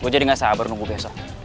gue jadi gak sabar nunggu besok